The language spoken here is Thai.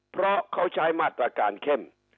เพราะเขาใช้มาตรการเข้ม